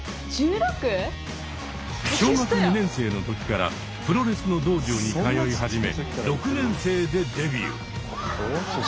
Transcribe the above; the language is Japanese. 小学２年生の時からプロレスの道場に通い始め６年生でデビュー。